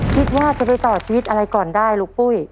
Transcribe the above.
คิดว่าจะไปต่อชีวิตอะไรก่อนได้ลูกปุ้ย